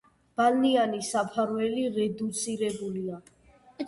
ბალნიანი საფარველი რედუცირებულია.